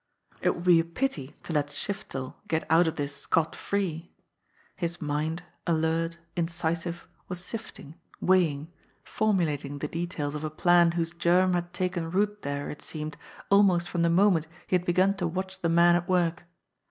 It would be a pity to let Shiftel get out of this scot free! His mind, alert, incisive, was sifting, weighing, formulating the details of a plan whose germ had taken root there, it seemed, almost from the moment he had begun to watch the men at work.